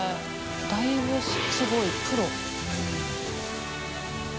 世いすごいプロ。